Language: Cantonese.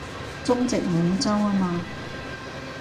中殖滿洲吖嘛